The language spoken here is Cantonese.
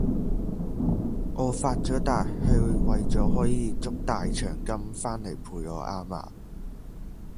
我發咗達係為咗可以捉大長今翻來陪我啊嘛!